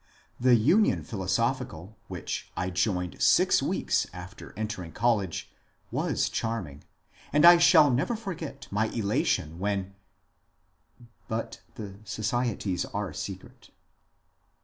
The Union Philosophical, which I joined six weeks after entering college, was charming, and I shall never forget my elation when — but the societies are secret.